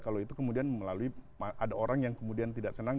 kalau itu kemudian melalui ada orang yang kemudian tidak senang